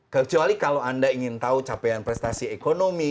kecuali kalau anda ingin tahu capaian prestasi ekonomi